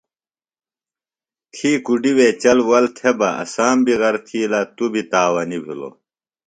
تھی کُڈیۡ وے چل ول تھےۡ بہ اسام بیۡ غر تِھیلہ توۡ بیۡ تاوینیۡ بِھلوۡ۔